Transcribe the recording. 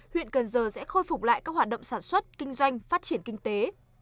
huyện cần giờ sẽ khôi phục lại các hoạt động sản xuất kinh doanh phát triển kinh tế